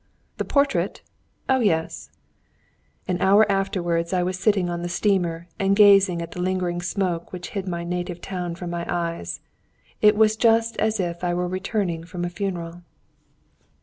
"The portrait? oh yes!" An hour afterwards I was sitting on the steamer and gazing at the lingering smoke which hid my native town from my eyes. It was just as if I were returning from a funeral.